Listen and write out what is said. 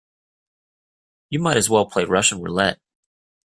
You might as well play Russian roulette.